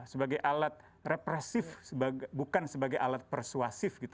sebagai alat represif bukan sebagai alat persuasif gitu